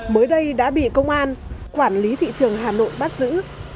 mới đây đã bị công an quản lý thị trường hà nội bắt giữ